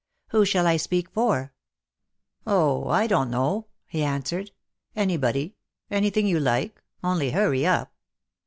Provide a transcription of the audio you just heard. ''Who shall I speak for?" '*Oh, I don't know," he answered, ''anybody — anything you like — only, hurry up."